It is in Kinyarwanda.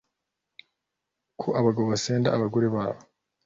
ko abagabo basenda abagore babo